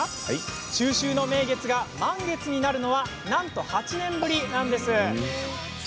中秋の名月が満月になるのはなんと８年ぶりなんです。